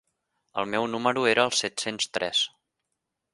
El meu número era el set-cents tres.